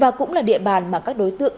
và cũng là địa bàn mà các đối tượng